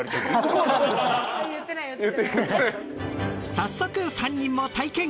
早速３人も体験。